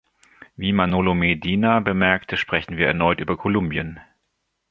Wie Manolo Medina bemerkte, sprechen wir erneut über Kolumbien.